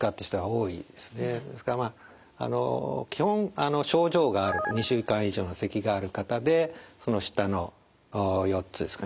ですからまあ基本症状がある２週間以上のせきがある方でその下の４つですかね